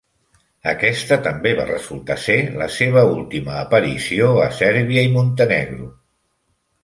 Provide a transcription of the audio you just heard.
Aquesta també va resultar ser la seva última aparició a Sèrbia i Montenegro.